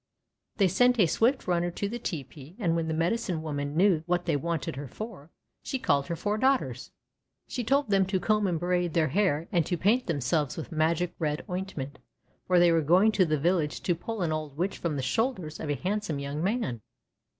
They sent a swift runner to the tepee; and when the Medicine Woman knew what they wanted her for, she called her four daughters. THE OLD WITCH 139 She told them to comb and braid their hair and to paint themselves with magic red ointment, for they were going to the village to pull an old Witch from the shoulders of a handsome young man.